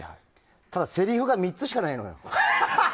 ただ、せりふが３つしかないのよ。